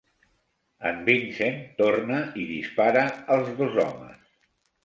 En Vincent torna i dispara als dos homes.